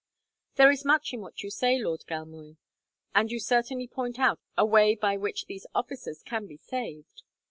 "There is much in what you say, Lord Galmoy, and you certainly point out a way by which these officers can be saved.